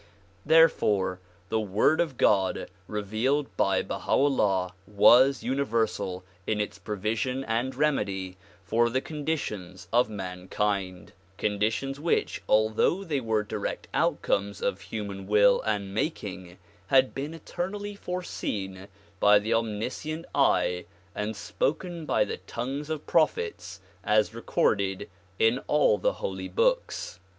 Therefore the Word of God re vealed by Baha 'Ullah was universal in its provision and remedy for the conditions of mankind ; conditions which although they were direct outcomes of human will and making, had been eternally foreseen by the omniscient eye and spoken by the tongues of prophets as recorded in all the holy books.